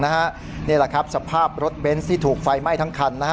นี่แหละครับสภาพรถเบนส์ที่ถูกไฟไหม้ทั้งคัน